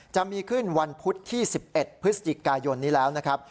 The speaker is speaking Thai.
จะมีขึ้นวันพุธที่๑๑พฤศจิกายนนี้แล้วนะครับ